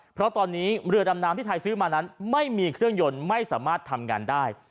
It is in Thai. เพราะตอนนี้เรือดำน้ำที่ไทยซื้อมานั้นไม่มีเครื่องยนต์ไม่สามารถทำงานได้